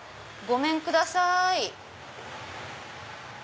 ごめんください